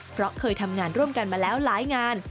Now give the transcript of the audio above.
เพราะเคยทำงานร่วมกันมาแล้วหลายงาน